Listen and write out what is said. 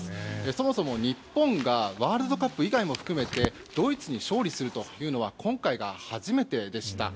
そもそも日本がワールドカップ以外も含めてドイツに勝利するというのは今回が初めてでした。